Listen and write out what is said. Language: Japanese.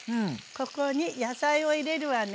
ここに野菜を入れるわね。